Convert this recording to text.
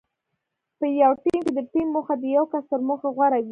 په یو ټیم کې د ټیم موخه د یو کس تر موخې غوره وي.